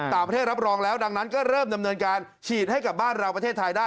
รับรองแล้วดังนั้นก็เริ่มดำเนินการฉีดให้กับบ้านเราประเทศไทยได้